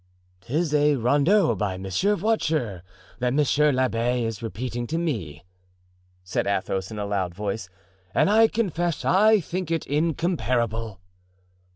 "'Tis a rondeau by Monsieur Voiture that monsieur l'abbé is repeating to me." said Athos in a loud voice, "and I confess I think it incomparable."